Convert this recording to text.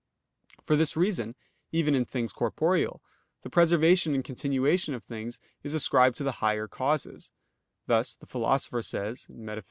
For this reason, even in things corporeal, the preservation and continuation of things is ascribed to the higher causes: thus the Philosopher says (Metaph.